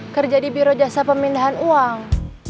kerja di biro jasa pemindahan uang